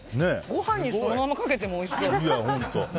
ご飯にそのままかけてもおいしそう。